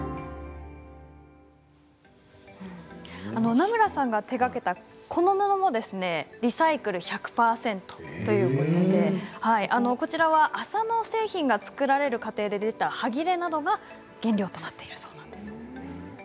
南村さんが手がけたこの布もリサイクル１００％ということでこちらは麻の製品が作られる過程で出た、はぎれなどが原料となっているそうなんです。